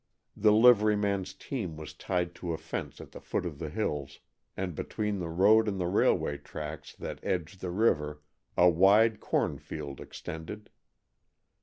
The liveryman's team was tied to a fence at the foot of the hills, and between the road and the railway tracks that edged the river a wide corn field extended.